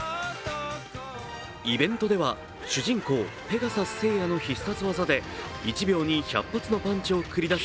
イベントでは主人公・ペガサス星矢の必殺技で１秒に１００発のパンチを繰り出す